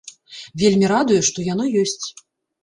Вельмі радуе, што яно ёсць.